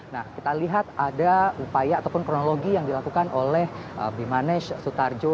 nah kita lihat ada upaya ataupun kronologi yang dilakukan oleh bimanesh sutarjo